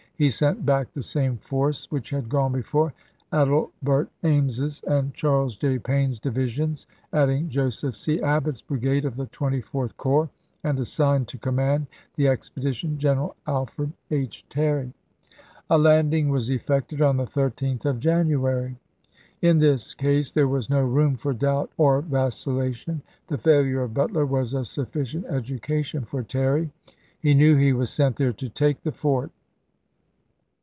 He sent back the same force which had gone before, Adelbert Ames's and Charles J. Paine's divisions, adding Joseph C. Abbott's brigade of the Twenty fourth Corps, and assigned to command the expedition General Alfred H. Terry. A landing was effected on the 13th of January. im. In this case there was no room for doubt or vacilla tion. The failure of Butler was a sufficient educa tion for Terry. He knew he was sent there to take the fort.